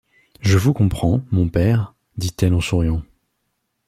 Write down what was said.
Je vous comprends, mon père, dit-elle en souriant.